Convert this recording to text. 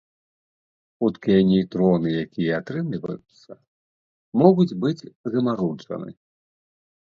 Хуткія нейтроны, якія атрымліваюцца, могуць быць замаруджаны.